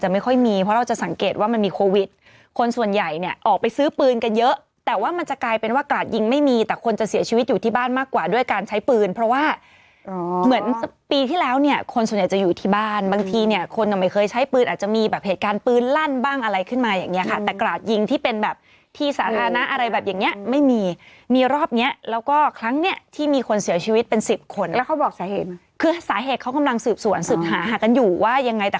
ปีที่แล้วเนี่ยคนส่วนใหญ่จะอยู่ที่บ้านบางทีเนี่ยคนก็ไม่เคยใช้ปืนอาจจะมีแบบเหตุการณ์ปืนลั่นบ้างอะไรขึ้นมาอย่างเงี้ยค่ะแต่กราดยิงที่เป็นแบบที่สาธารณะอะไรแบบอย่างเงี้ยไม่มีมีรอบเนี้ยแล้วก็ครั้งเนี้ยที่มีคนเสียชีวิตเป็นสิบคนแล้วเขาบอกสาเหตุคือสาเหตุเขากำลังสืบสวนสืบหาหากันอยู่ว่ายังไงแต่